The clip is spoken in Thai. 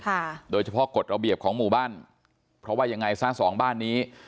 ค่ะโดยเฉพาะกฎระเบียบของหมู่บ้านเพราะว่ายังไงซะสองบ้านนี้